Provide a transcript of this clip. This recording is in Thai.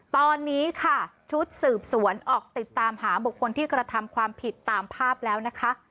ตอนนี้ค่ะชุดสืบสวนออกติดตามหาบุคคลที่กระทำความผิดตามภาพแล้วนะคะ